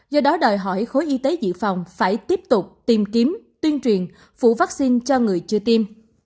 do đó đòi hỏi khối y tế dự phòng phải tiếp tục tìm kiếm tuyên truyền phủ vaccine cho người chưa tiêm